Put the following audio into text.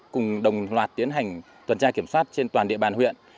cùng đồng loạt tiến hành tuần tra kiểm soát trên toàn địa bàn huyện